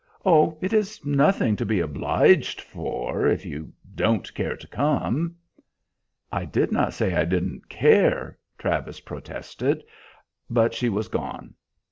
"Oh, it is nothing to be obliged for, if you don't care to come." "I did not say I didn't care," Travis protested; but she was gone.